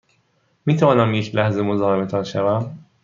می توانم یک لحظه مزاحمتان شوم؟